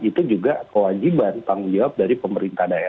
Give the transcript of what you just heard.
itu juga kewajiban tanggung jawab dari pemerintah daerah